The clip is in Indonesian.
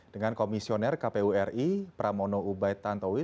dengan komisioner kpu ri pramono ubaid tantowi